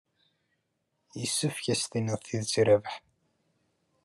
Isefk ad s-tinniḍ tidet i Rabaḥ.